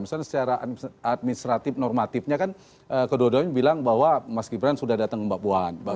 misalnya secara administratif normatifnya kan kedua duanya bilang bahwa mas gibran sudah datang ke mbak puan